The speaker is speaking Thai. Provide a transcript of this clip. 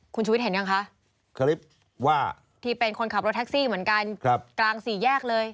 คุณชุวิตเห็นยังคะคลิปว่าที่เป็นคนขับรถแท็กซี่เหมือนกันกลางสี่แยกเลย